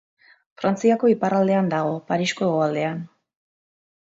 Frantziako iparraldean dago, Parisko hegoaldean.